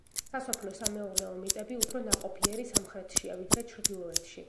სასოფლო-სამეურნეო მიწები უფრო ნაყოფიერი სამხრეთშია, ვიდრე ჩრდილოეთში.